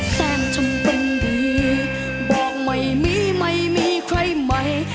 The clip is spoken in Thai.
ฉันทำเป็นดีบอกไม่มีไม่มีใครใหม่